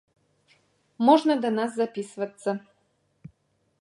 Можна да нас запісвацца.